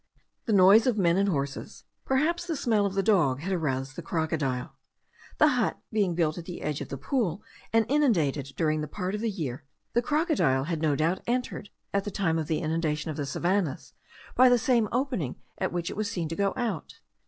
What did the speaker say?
The noise of men and horses, perhaps the smell of the dog, had aroused the crocodile. The hut being built at the edge of the pool, and inundated during part of the year, the crocodile had no doubt entered, at the time of the inundation of the savannahs, by the same opening at which it was seen to go out.